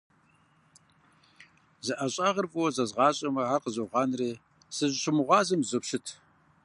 Зы ӀэщӀагъэр фӀыуэ зэзгъащӀэмэ, ар къызогъанэри, сызыщымыгъуазэм зызопщыт.